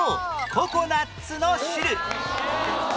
ココナッツの汁